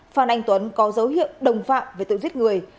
phan anh tuấn có dấu hiệu đồng phạm về tội giết người